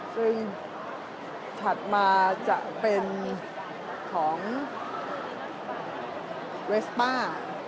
ซึ่งถัดมาจะเป็นของเวสป้า